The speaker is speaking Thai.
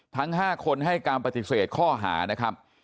ทั้ง๕คนให้การปฏิเสธข้อหานะครับ